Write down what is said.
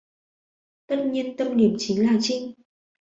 Tất nhiên tâm điểm chính là chinh